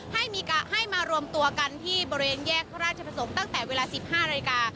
ให้มารวมตัวกันที่บริเวณแยกราชประสงค์ตั้งแต่เวลา๑๕นาฬิกา